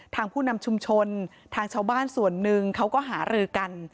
ผู้นำชุมชนทางชาวบ้านส่วนหนึ่งเขาก็หารือกัน